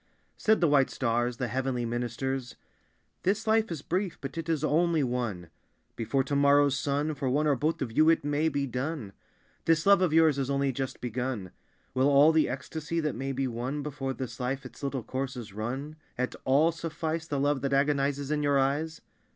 Said the white stars, the heavenly ministers, "This life is brief, but it is only one. Before to morrow's sun For one or both of you it may be done. This love of yours is only just begun. Will all the ecstasy that may be won Before this life its little course has run At all suffice The love that agonizes in your eyes?